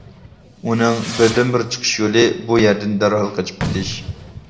ئۇنىڭ بىردىنبىر چىقىش يولى بۇ يەردىن دەرھال قېچىپ كېتىش.